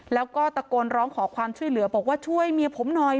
แล้วก็ตะโกนร้องขอความช่วยเหลือบอกว่าช่วยเมียผมหน่อย